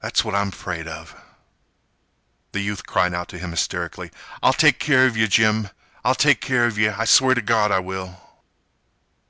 That's what I'm 'fraid of—" The youth cried out to him hysterically: "I'll take care of yeh, Jim! I'll take care of yeh! I swear t' Gawd I will!"